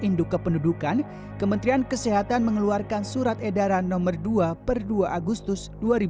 induk kependudukan kementerian kesehatan mengeluarkan surat edaran nomor dua per dua agustus